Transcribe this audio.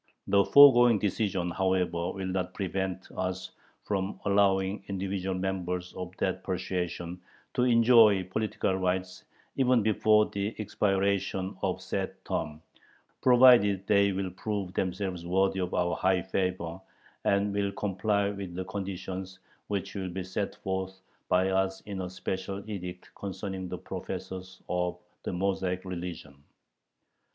The foregoing decision, however, will not prevent us from allowing individual members of that persuasion to enjoy political rights even before the expiration of said term, provided they will prove themselves worthy of our high favor, and will comply with the conditions which will be set forth by us in a special edict concerning the professors of the Mosaic religion.